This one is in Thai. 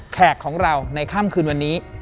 แขกของเราในค่ำคืนวันนี้